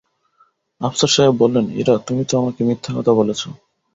আফসার সাহেব বললেন, ইরা, তুমি তো আমাকে মিথ্যা কথা বলেছ।